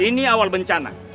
ini awal bencana